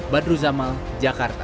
badru zamal jakarta